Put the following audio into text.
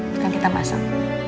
bukan kita masak